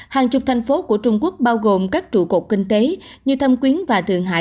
hàng chục thành phố của trung quốc bao gồm các trụ cột kinh tế như thâm quyến và thượng hải